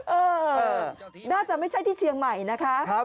เออน่าจะไม่ใช่ที่เชียงใหม่นะคะ